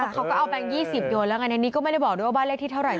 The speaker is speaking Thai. เขาก็เอาแบงค์๒๐โยนแล้วไงในนี้ก็ไม่ได้บอกด้วยว่าบ้านเลขที่เท่าไห